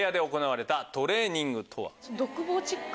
独房チック。